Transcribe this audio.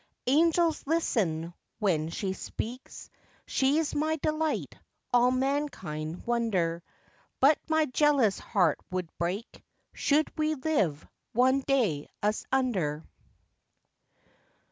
Angels listen when she speaks, She's my delight, all mankind wonder; But my jealous heart would break Should we live one day asunder.